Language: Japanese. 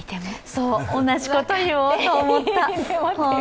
そう、同じこと言おうと思っていた。